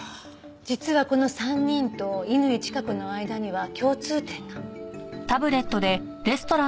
実はこの３人と乾チカ子の間には共通点が。